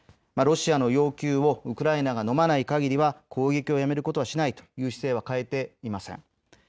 ロシアの要求をウクライナがのまないかぎりは攻撃をやめることはしないという姿勢は変えていません。